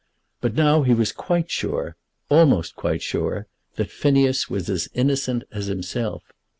But now he was quite sure, almost quite sure, that Phineas was as innocent as himself.